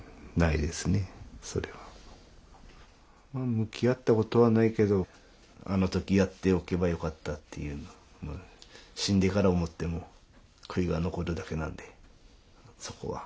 向き合ったことはないけどあの時やっておけばよかったっていうの死んでから思っても悔いが残るだけなんでそこは。